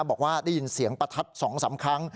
บอกว่าได้ยินเสียงประทัด๒๓ครั้ง